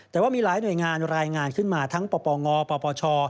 แต่ว่ามีหลายหน่วยงานรายงานขึ้นมาทั้งปปงปปช